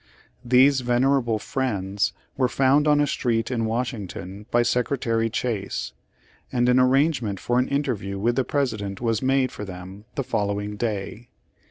These venerable Friends were found on a street in Washington by Secre tary Chase, and an arrangement for an interview with the President was made for them the follow ing day.